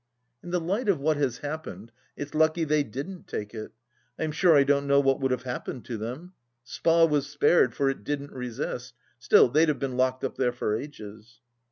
In the light of what has happened, it's lucky they didn't take it 1 I am sure I don't know what would have happened to them. Spa was spared, for it didn't resist. Still, they'd have been locked up there for ages.